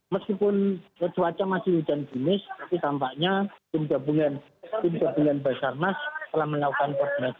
meskipun cuaca masih hujan hujan tapi tampaknya tim gabungan basarmas telah melakukan programasi